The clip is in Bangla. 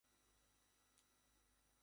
অরবিন্দ মুখোপাধ্যায় ছবিটি পরিচালনা করেন।